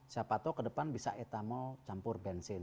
siapa tau kedepan bisa etanol campur bensin